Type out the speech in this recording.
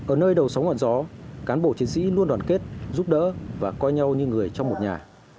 ở nơi đầu sóng ngọn gió cán bộ chiến sĩ luôn đoàn kết giúp đỡ và coi nhau như người trong một nhà